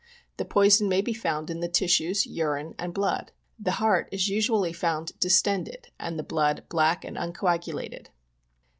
The poison may be found in the tissues, urine and blood." " The heart is usually found distended, and the blood black and uncoagulated."